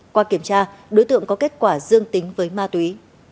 qua kiểm tra đối tượng có kết quả dương tính với ma túy